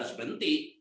kita harus berhenti